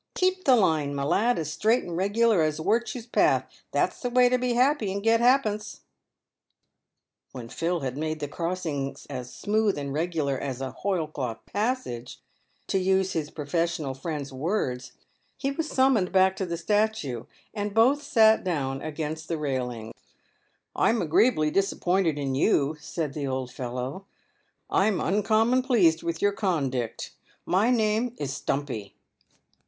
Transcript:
Keep the line, my lad, as straight and regular as wirtue's path, that's the way to be happy and get ha'pence." When Phil had made the crossing as " smooth and reglar as a hoilcloth passage" — to use his professional friend's words — he was summoned back to the statue, and both sat down against the railings. " I'm agreeably disappointed in you," said the old fellow. " I'm uncommon pleased with your condict. My name is Stumpy."